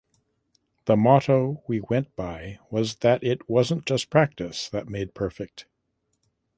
The motto we went by was that it wasn’t just practice that made perfect.